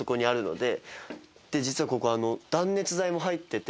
で実はここ断熱材も入ってて。